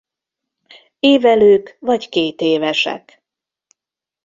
Évelők vagy kétévesek.